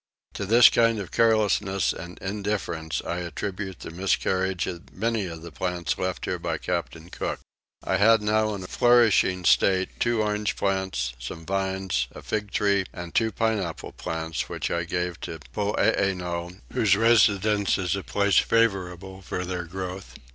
To this kind of carelessness and indifference I attribute the miscarriage of many of the plants left here by Captain Cook. I had now in a flourishing state two orange plants, some vines, a fig tree, and two pineapple plants, which I gave to Poeeno whose residence is a place favourable for their growth.